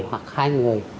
hoặc hai người